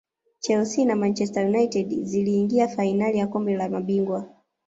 chelsea na manchester united ziliingia fainali ya kombe la mabingwa